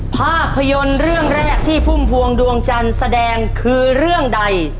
ภาพยนตร์เรื่องแรกที่พุ่มพวงดวงจันทร์แสดงคือเรื่องใด